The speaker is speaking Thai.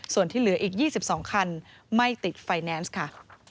ส่วนที่เหลืออีก๒๒คันไม่ติดไฟแนนซ์ค่ะ